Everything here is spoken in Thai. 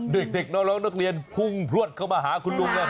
เด็กแล้วก็นักเรียนพุ่งพรวดเข้ามาหาคุณลุงนะครับ